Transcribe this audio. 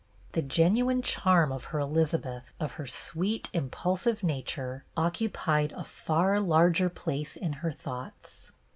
The genuine charm of her Elizabeth, of her sweet, impulsive nature, occupied a far larger place in her thoughts.